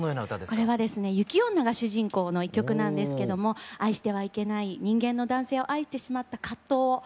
これはですね雪女が主人公の一曲なんですけども愛してはいけない人間の男性を愛してしまった葛藤を歌っています。